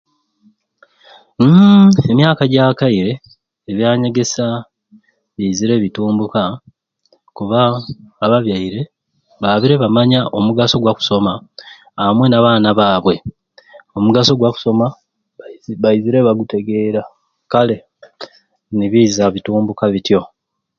Mmmmm emyaka ejakaire ebyanyegesya bizire butumbuka kuba ababyaire babiire bamanya omugaso ogwa kusoma amwei na baana babwe omugaso gwa kusoma baiziire bagutegeera kale nibiiza bitumbuka bityo.